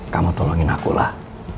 kamu tolongin aku lah